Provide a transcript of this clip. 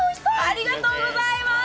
ありがとうございます。